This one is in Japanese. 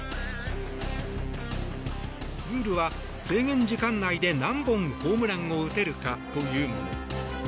ルールは制限時間内で何本ホームランを打てるかというもの。